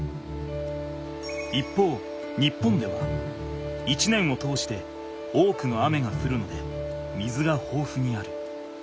一方日本では一年を通して多くの雨がふるので水がほうふにある。